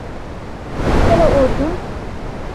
চলো, অর্জুন।